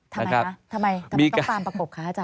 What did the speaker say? ทำไมคะทำไมต้องตามประกบคะอาจาร